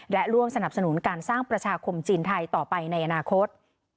และร่วมสนับสนุนการสร้างประชาคมจีนไทยต่อไปในอนาคต